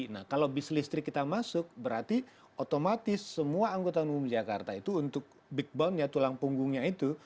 nah kalau bis listrik kita masuk berarti otomatis semua angkutan umum jakarta itu untuk bigboundnya tulang punggungnya itu